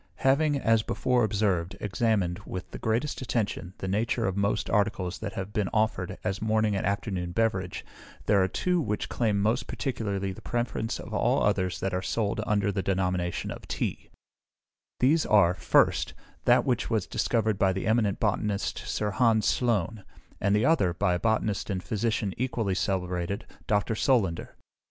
Having, as before observed, examined, with the greatest attention, the nature of most articles that have been offered as morning and afternoon beverage, there are two which claim most particularly the preference of all others that are sold under the denomination of Tea: these are, 1st, that which was discovered by that eminent botanist Sir Hans Sloane; and the other, by a botanist and physician equally celebrated, Dr. Solander.